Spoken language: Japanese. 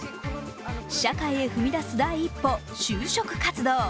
社会へ踏み出す第一歩、就職活動。